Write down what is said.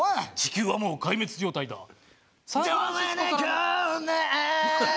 地球はもう壊滅状態だ。